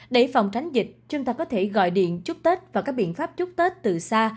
để phòng tránh dịch chúng ta có thể gọi điện chúc tết và các biện pháp chúc tết từ xa